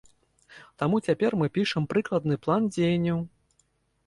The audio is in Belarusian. Таму цяпер мы пішам прыкладны план дзеянняў.